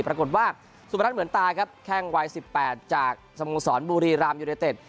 ปรากฏว่าสุพรัชเหมือนตายครับแข้งวัย๑๘จากสโมสรบุรีรามยูเนเต็ด